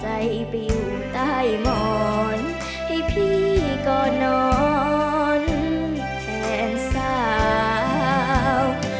ให้หมอนให้พี่กอดนอนแผนสาว